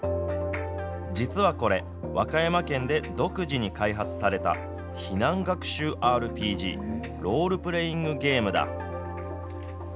実はこれ、和歌山県で独自に開発された、避難学習ＲＰＧ・ロールプレイングゲームだ。